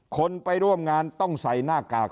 คนไปร่วมงานต้องใส่หน้ากาก